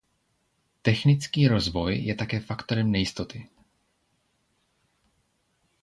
Technický rozvoj je také faktorem nejistoty.